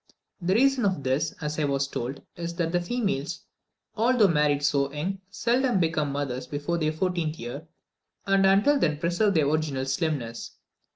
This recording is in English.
The reason of this, as I was told, is that the females, although married so young, seldom become mothers before their fourteenth year, and until then preserve their original slimness.